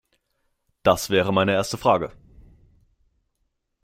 Das wäre meine erste Frage.